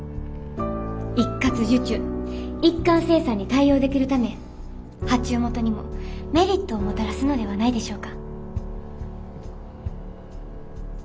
一括受注一貫生産に対応できるため発注元にもメリットをもたらすのではないでしょうか？